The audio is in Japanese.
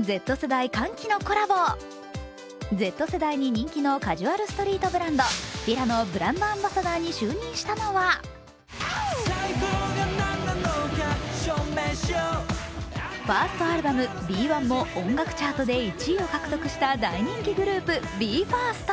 Ｚ世代に人気のカジュアルストリートブランドＦＩＬＡのブランドアンバサダーに就任したのはファーストアルバム、「ＢＥ：１」も音楽チャートで１位を獲得した大人気グループＢＥ：ＦＩＲＳＴ。